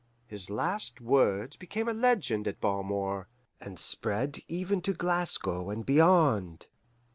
His last words became a legend in Balmore, and spread even to Glasgow and beyond.